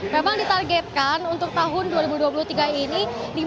memang ditargetkan untuk tahun dua ribu dua puluh tiga ini